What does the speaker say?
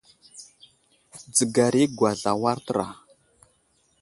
Dzəgar i aŋgwasl awar təra.